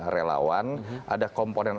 relawan ada komponen